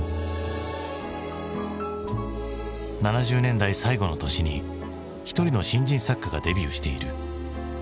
７０年代最後の年に一人の新人作家がデビューしている。